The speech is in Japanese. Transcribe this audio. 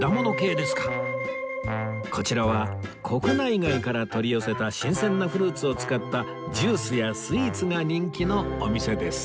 こちらは国内外から取り寄せた新鮮なフルーツを使ったジュースやスイーツが人気のお店です